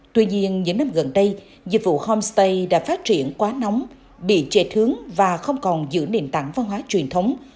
tuy nhiên những năm gần đây dịch vụ homestay đã phát triển quá nóng bị trệ thướng và không còn giữ nền tảng văn hóa truyền thống